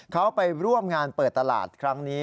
เขาไปร่วมงานเปิดตลาดครั้งนี้